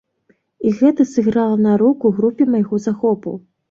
І гэта сыграла на руку групе майго захопу.